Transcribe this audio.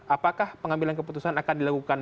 apakah pengambilan keputusan akan dilakukan